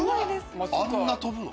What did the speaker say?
あんな飛ぶの？